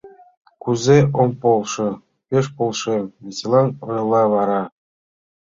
— Кузе ом полшо, пеш полшем, — веселан ойла вара.